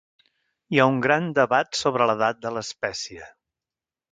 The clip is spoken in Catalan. Hi ha un gran debat sobre l'edat de l'espècie.